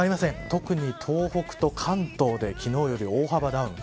特に東北と関東で昨日より大幅ダウン。